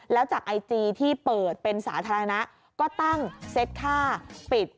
แล้วจากไอจีที่เปิดเป็นสาธารณะก็ตั้งเซ็ตค่าปิด